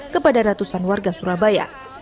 kepada ratusan warga surabaya